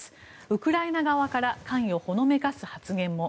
ウクライナ側から関与ほのめかす発言も。